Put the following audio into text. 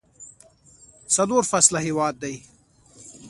څلور فصله هیواد دی.